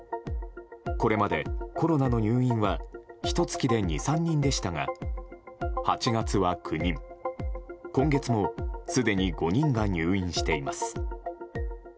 これまでコロナの入院はひと月で２３人でしたが８月は９人、今月もすでに５人が入院しています。